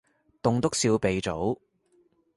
棟篤笑鼻祖